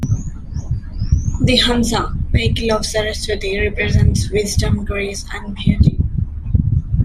The hamsa, vehicle of Saraswati, represents wisdom, grace and beauty.